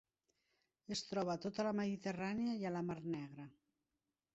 Es troba a tota la Mediterrània i a la Mar Negra.